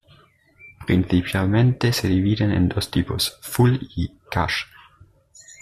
Principalmente se dividen en dos tipos: full y cash.